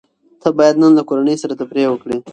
ته بايد نن له کورنۍ سره تفريح وکړې.